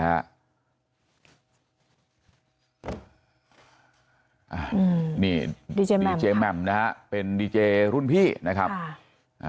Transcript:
อืมนี่ดีเจแม่มนะฮะเป็นดีเจรุ่นพี่นะครับค่ะ